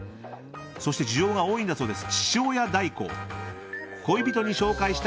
そして需要が多いんだそうです